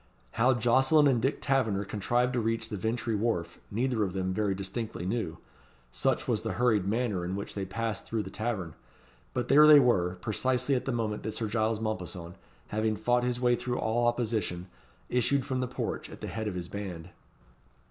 How Jocelyn and Dick Taverner contrived to reach the Vintry Wharf, neither of them very distinctly knew, such was the hurried manner in which they passed through the tavern; but there they were, precisely at the moment that Sir Giles Mompesson, having fought his way through all opposition, issued from the porch at the head of his band.